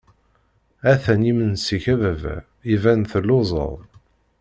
Ha-t-an yimensi-k a baba, iban telluẓeḍ.